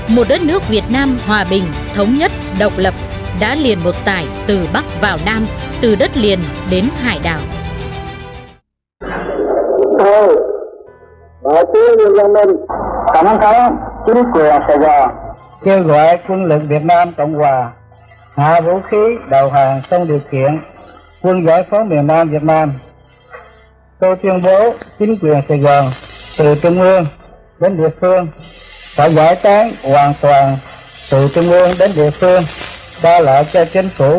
miền nam hoàn toàn giải phóng đất nước thống nhất